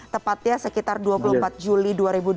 tepatnya sekitar dua puluh empat juli dua ribu dua puluh